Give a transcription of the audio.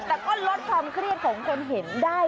แต่ก็ลดความเครียดของคนเห็นได้